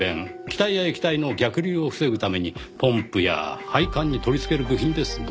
気体や液体の逆流を防ぐためにポンプや配管に取り付ける部品です。